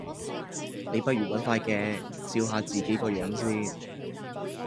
你不如搵塊鏡照下自己個樣先